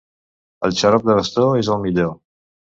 El xarop de bastó és el millor.